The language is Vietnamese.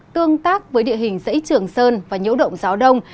tương tác với địa hình dãy trường sơn và nhiễu động gió đông